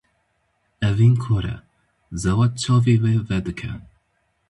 Evîn kor e zewac çavê wê vedike.